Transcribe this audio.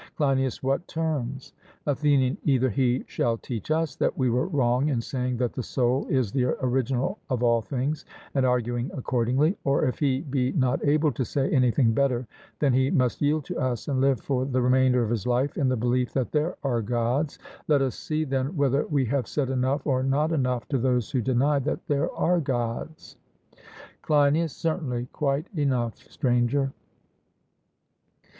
CLEINIAS: What terms? ATHENIAN: Either he shall teach us that we were wrong in saying that the soul is the original of all things, and arguing accordingly; or, if he be not able to say anything better, then he must yield to us and live for the remainder of his life in the belief that there are Gods. Let us see, then, whether we have said enough or not enough to those who deny that there are Gods. CLEINIAS: Certainly, quite enough, Stranger.